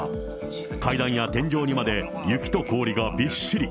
階段や天井にまで雪と氷がびっしり。